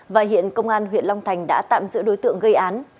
và hiện công an huyện long thành đã tạm giữ đối tượng gây án